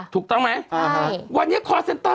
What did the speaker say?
ถูกต้องไหมวันนี้คอร์เซ็นเตอร์